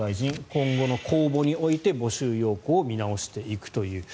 今後の公募において募集要項を見直していくという。